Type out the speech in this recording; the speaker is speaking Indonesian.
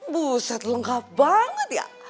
buset lengkap banget ya